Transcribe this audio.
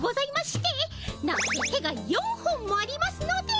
なにせ手が４本もありますので。